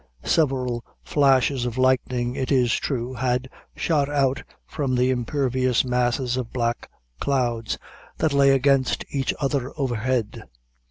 Several flashes of lightning, it is true, had shot out from the impervious masses of black clouds, that lay against each other overhead.